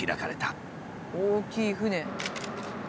大きい船。